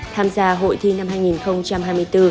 tham gia hội thi năm hai nghìn hai mươi bốn